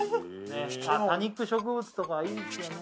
多肉植物とかいいですよね